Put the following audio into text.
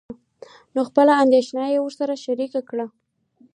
نو خپله اندېښنه يې ورسره شريکه کړه.